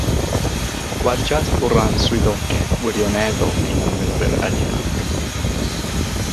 Gwadiad o ran swyddogaeth wirioneddol ein milwyr yn Irac.